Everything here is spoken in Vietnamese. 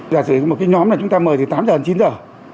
giả sử một nhóm chúng ta mời từ tám giờ đến chín giờ